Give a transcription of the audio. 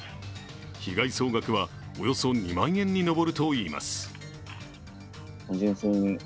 被害総額はおよそ２万円に上るといいます。